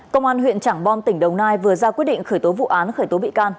công an huyện trảng bom tỉnh đồng nai vừa ra quyết định khởi tố vụ án khởi tố bị can